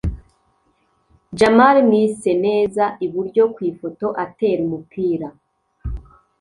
Djamal Mwiseneza (iburyo ku ifoto) atera umupira